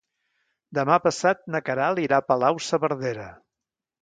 Demà passat na Queralt irà a Palau-saverdera.